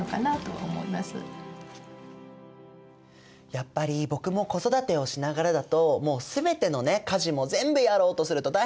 やっぱり僕も子育てをしながらだともうすべてのね家事も全部やろうとすると大変なこともあるんですよ。